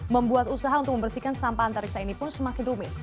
membuat usaha untuk membersihkan sampah antariksa ini pun semakin rumit